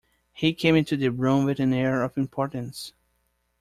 He came into the room with an air of importance.